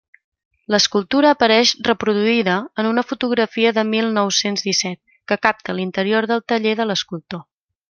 L'escultura apareix reproduïda en una fotografia de mil nou-cents disset, que capta l'interior del taller de l'escultor.